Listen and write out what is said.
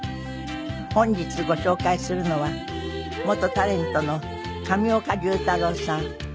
本日ご紹介するのは元タレントの上岡龍太郎さん。